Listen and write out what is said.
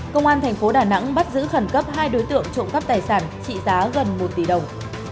công an thành phố đà nẵng bắt giữ khẩn cấp hai đối tượng trộm cắp tài sản trị giá gần một tỷ đồng